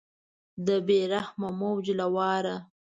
د بې رحمه موج له واره